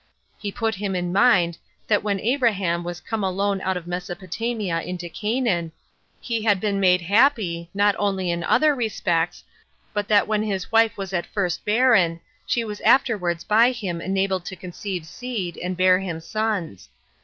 He put him in mind, that when Abraham was come alone out of Mesopotamia into Canaan, he had been made happy, not only in other respects, but that when his wife was at first barren, she was afterwards by him enabled to conceive seed, and bare him sons.